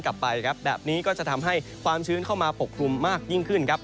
กลับไปครับแบบนี้ก็จะทำให้ความชื้นเข้ามาปกคลุมมากยิ่งขึ้นครับ